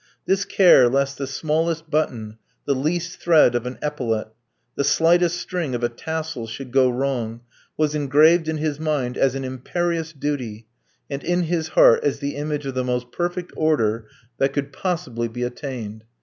This care lest the smallest button, the least thread of an epaulette, the slightest string of a tassel should go wrong, was engraved in his mind as an imperious duty, and in his heart as the image of the most perfect order that could possibly be attained.